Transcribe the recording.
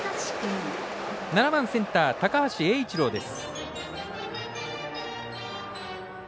７番センター高橋瑛一朗です。